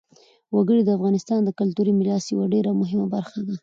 وګړي د افغانستان د کلتوري میراث یوه ډېره مهمه برخه ده.